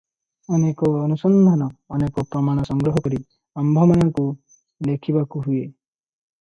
ଅନେକ ଅନୁସନ୍ଧାନ, ଅନେକ ପ୍ରମାଣ ସଂଗ୍ରହ କରି ଆମ୍ଭମାନଙ୍କୁ ଲେଖିବାକୁ ହୁଏ ।